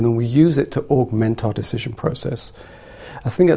dan kemudian kita menggunakannya untuk menguasai proses pemutusan kita